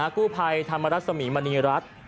กู้ภัยธรรมรสมีมณีรัฐ